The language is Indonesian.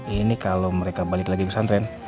ini kalau mereka balik lagi pesantren